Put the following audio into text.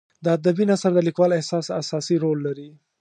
د ادبي نثر د لیکوال احساس اساسي رول لري.